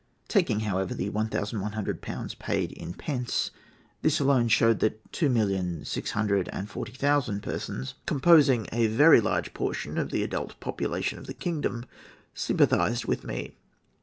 Taking, however, the 1100£ paid in pence, this alone showed that two million six hundred and forty thousand persons—composing a very large portion of the adult population of the kingdom—sympathised with me.